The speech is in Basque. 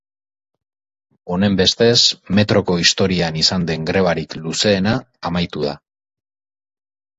Honenbestez, metroko historian izan den grebarik luzeena amaitu da.